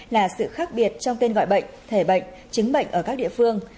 là sự khác biệt trong tên gọi bệnh thể bệnh chứng bệnh ở các địa phương